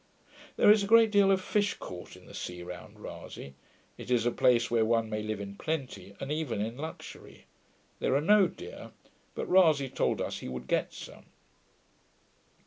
There is a great deal of fish caught in the sea round Rasay; it is a place where one may live in plenty, and even in luxury. There are no deer; but Rasay told us he would get some.